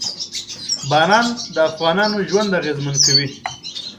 باران د افغانانو ژوند اغېزمن کوي.